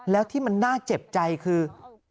แล้วที่มันน่าเจ็บใจคือ